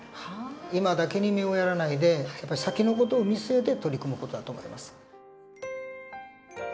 今だけに目をやらないで先の事を見据えて取り組む事だと思います。